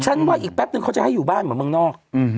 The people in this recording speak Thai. ว่าอีกแป๊บนึงเขาจะให้อยู่บ้านเหมือนเมืองนอก